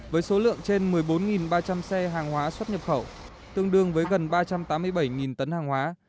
với số lượng trên một mươi bốn ba trăm linh xe hàng hóa xuất nhập khẩu tương đương với gần ba trăm tám mươi bảy tấn hàng hóa